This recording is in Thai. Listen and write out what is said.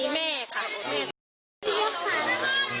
แม่ค่ะ